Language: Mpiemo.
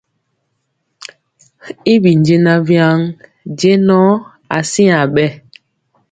Y bi jɛɛnaŋ waŋ jɛŋɔ asiaŋ bɛ.